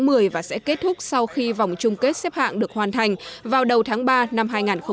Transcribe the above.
hội thi sẽ kết thúc sau khi vòng chung kết xếp hạng được hoàn thành vào đầu tháng ba năm hai nghìn hai mươi